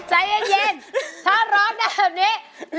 ใจเย็นถ้าร้อนได้แบบนี้